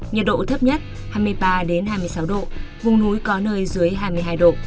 nhiệt độ thấp nhất hai mươi ba hai mươi sáu độ vùng núi có nơi dưới hai mươi hai độ